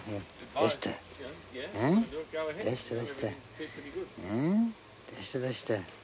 どうした、どうした。